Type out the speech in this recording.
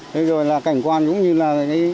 thế rồi là cảnh quan cũng như là